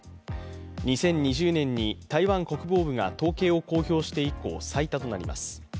２０２０年に台湾国防部が統計を公表して以降最多となります。